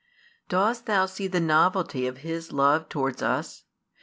Dost thou see the novelty of His love towards us?